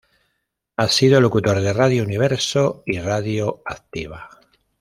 Ha sido locutor de Radio Universo y Radio Activa.